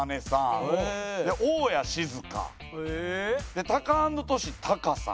でタカアンドトシタカさん。